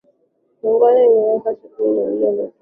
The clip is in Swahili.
kiongozi huyo mwenye miaka sabini na miwili anatuhumiwa